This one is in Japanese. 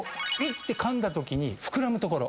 ってかんだときに膨らむ所。